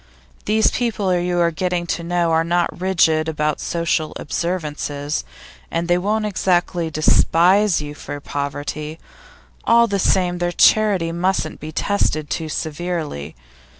These people you are getting to know are not rigid about social observances, and they won't exactly despise you for poverty; all the same, their charity mustn't be tested too severely.